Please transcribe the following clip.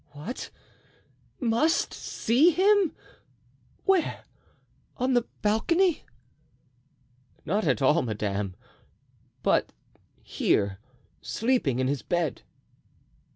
"What! must see him! Where—on the balcony?" "Not at all, madame, but here, sleeping in his bed."